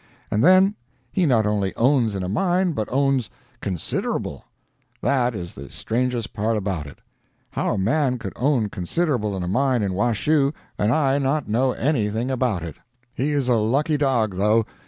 And then he not only owns in a mine, but owns "consider able;" that is the strangest part about it—how a man could own considerable in a mine in Washoe and I not know anything about it. He is a lucky dog, though.